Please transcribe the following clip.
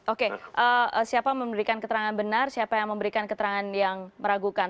oke siapa memberikan keterangan benar siapa yang memberikan keterangan yang meragukan